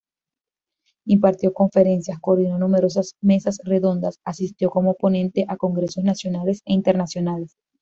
Impartió conferencias, coordinó numerosas mesas redondas, asistió como ponente a congresos nacionales e internacionales.